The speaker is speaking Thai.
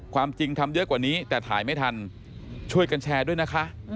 ความจริงทำเยอะกว่านี้แต่ถ่ายไม่ทันช่วยกันแชร์ด้วยนะคะ